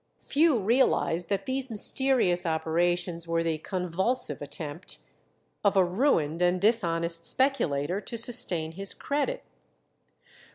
Few realized that these mysterious operations were the "convulsive attempt" of a ruined and dishonest speculator to sustain his credit.